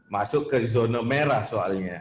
masuk ke zona merah soalnya